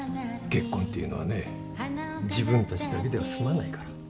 結婚っていうのはね自分たちだけでは済まないから。